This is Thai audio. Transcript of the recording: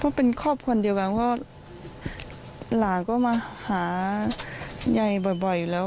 เพราะเป็นครอบคนเดียวกันเพราะหลานก็มาหาใหญ่บ่อยอยู่แล้ว